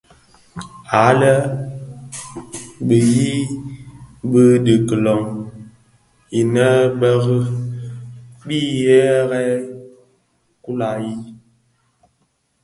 Àa le bu i yii di bi kilong inë bë ri bii ghêrii kula canji.